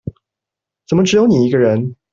怎麼只有你一個人